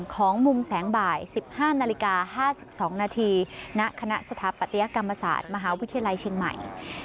ของมุมแสงบ่าย๑๕นาฬิกา๕๒นาทีณคณะสถาปัตยกรรมศาสตร์มหาวิทยาลัยเชียงใหม่